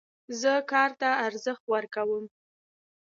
زه کار ته ارزښت ورکوم.